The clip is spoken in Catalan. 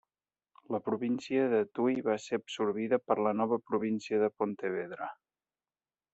La província de Tui va ser absorbida per la nova província de Pontevedra.